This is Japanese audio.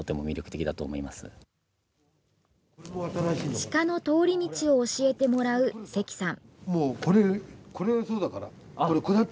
鹿の通り道を教えてもらう関さん。